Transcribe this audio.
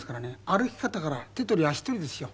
歩き方から手取り足取りですよ。